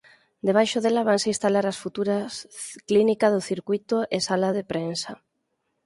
Debaixo dela vanse instalar as futuras clínica do circuíto e sala de prensa.